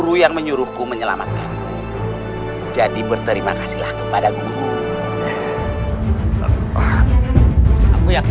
guru yang menyuruhku menyelamatkan jadi berterima kasihlah kepada guru